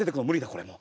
これもう。